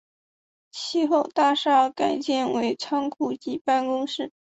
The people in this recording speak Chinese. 其后大厦改建为仓库及办公室。